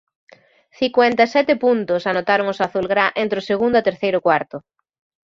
Cincuenta e sete puntos anotaron os azulgrá entre o segundo e terceiro cuarto.